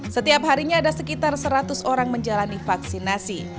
setiap harinya ada sekitar seratus orang menjalani vaksinasi